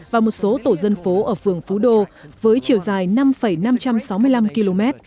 và một số tổ dân phố ở phường phú đô với chiều dài năm năm trăm sáu mươi năm km